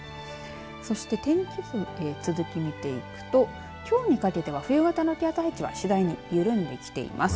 そして天気図続き見ていくときょうにかけて冬型の気圧配置は次第に緩んできています。